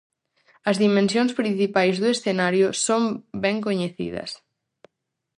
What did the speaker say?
As dimensións principais do escenario son ben coñecidas.